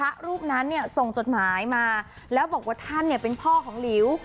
ว่าพระรูปนั้นส่งจดหมายมาแล้วบอกว่าท่านเป็นพ่อของหลิว